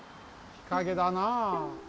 日陰だなあ。